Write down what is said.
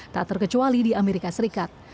tak terkecuali di amerika serikat